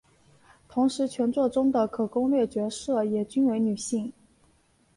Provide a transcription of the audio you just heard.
同时全作中的可攻略角色也均为女性。